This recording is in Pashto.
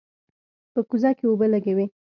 په کوزه کې اوبه لږې وې.